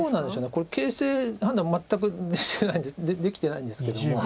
これ形勢判断全くできてないんですけども。